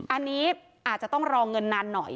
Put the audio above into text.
อันนี้อาจจะต้องรอเงินนานหน่อย